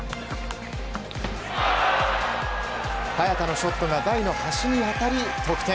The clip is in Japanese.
早田のショットが台の端に当たり得点。